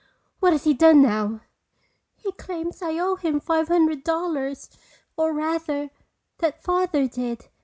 "What has he done now?" "He claims I owe him five hundred dollars. Or rather, that Father did.